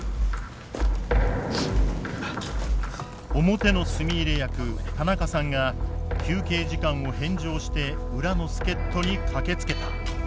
表の炭入れ役田中さんが休憩時間を返上して裏の助っ人に駆けつけた。